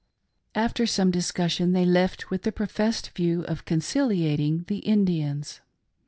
After some discussion they left with the pro fessed view of conciliating the Indians.